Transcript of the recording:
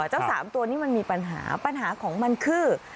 เจ้าสามตัวนี้มันมีปัญหาปัญหาของมันคือ